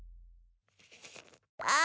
あ！